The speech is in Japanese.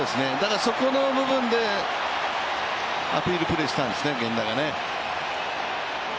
そこの部分でアピールプレーしたんですね、源田がね。